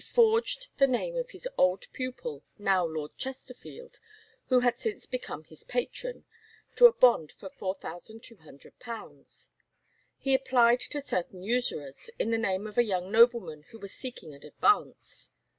He forged the name of his old pupil, now Lord Chesterfield, who had since become his patron, to a bond for £4200. He applied to certain usurers, in the name of a young nobleman who was seeking an advance.